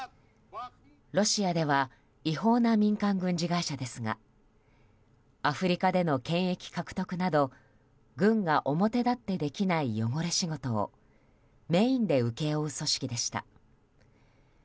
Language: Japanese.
ロシアでは違法な民間軍事会社ですがアフリカでの権益獲得など軍が表立ってできない汚れ仕事をメインで請け負う組織でした。